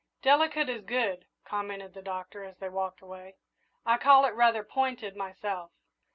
"'Delicate' is good," commented the Doctor, as they walked away. "I call it rather pointed, myself."